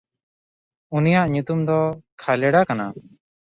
ᱩᱱᱤᱭᱟᱜ ᱧᱩᱛᱩᱢ ᱫᱚ ᱠᱷᱟᱞᱮᱰᱟ ᱠᱟᱱᱟ᱾